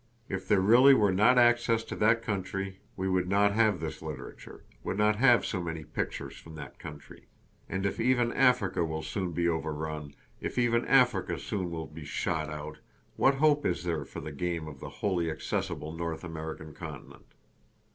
If there really were not access to that country we would not have this literature, would not have so many pictures from that country. And if even Africa will soon be overrun, if even Africa soon will be shot out, what hope is there for the game of the wholly accessible North American continent?